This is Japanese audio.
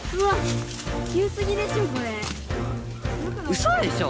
うそでしょ